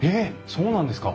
そうなんですか？